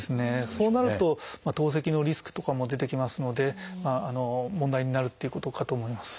そうなると透析のリスクとかも出てきますので問題になるっていうことかと思います。